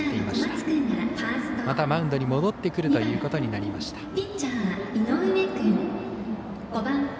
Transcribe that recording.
またマウンドに戻ってくるということになりました。